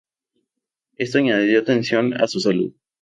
Esto añadió tensión a su salud.